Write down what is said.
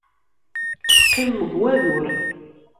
Teqqimem deg wadur.